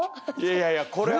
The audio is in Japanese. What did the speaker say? いやいやこれは。